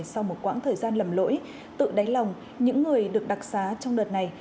sau một quãng thời gian lầm lỗi tự đáy lòng những người được đặc xá trong đợt này